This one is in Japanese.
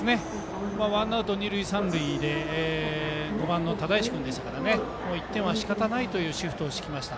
ワンアウト、二塁三塁で５番の只石君ですから１点はしかたないというシフトを敷きました。